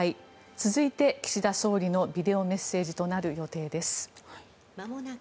続いて岸田総理のビデオメッセージとなる予定です。